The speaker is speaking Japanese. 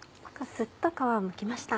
スッと皮をむきました。